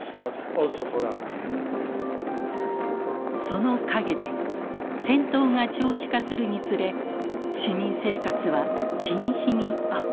その陰で戦闘が長期化するにつれ市民生活は日に日に圧迫されていました。